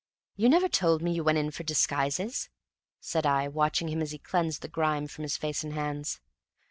"You never told me you went in for disguises," said I, watching him as he cleansed the grime from his face and hands.